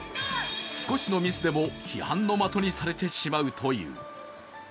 少しのミスでも批判の的にされてしまうという。